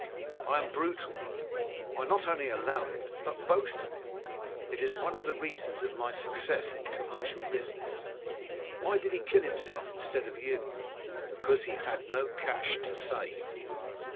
I am brutal,—I not only allow it, but boast of it; it is one of the reasons of my success in commercial business. Why did he kill himself instead of you? Because he had no cash to save.